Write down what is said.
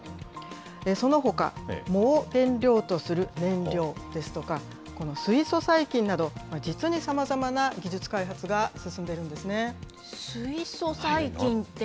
そのほか、藻を原料とする燃料ですとか、この水素細菌など、実にさまざまな技術開発が進んでいるんですね。